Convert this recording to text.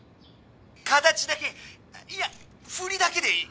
形だけいやふりだけでいい！